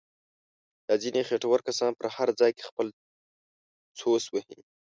دا ځنیې خېټور کسان په هر ځای کې خپل څوس وهي.